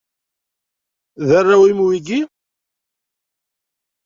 D arraw-im wigi?